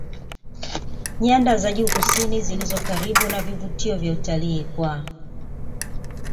nyada za juu kusini zilizo karibu na vivutio vya utalii kwa